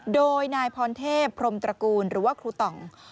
โดยนายพรเทพพรมตระกูลหรือว่าครูต่อง